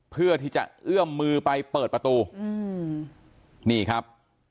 เพื่อที่จะเอื้อมมือไปเปิดประตูอืมนี่ครับ